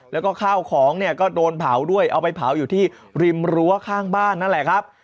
แล้วก็ข้าวของเนี่ยก็โดนเผาด้วยเอาไปเผาอยู่ที่ริมรั้วข้างบ้านนั่นแหละครับ